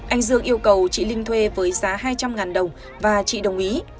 anh dương yêu cầu chị linh thuê với giá hai trăm linh đồng và chị đồng ý